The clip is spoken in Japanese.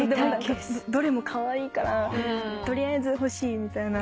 どれもカワイイから取りあえず欲しいみたいな。